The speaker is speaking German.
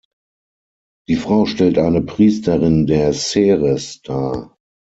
Die Frau stellt eine Priesterin der Ceres dar.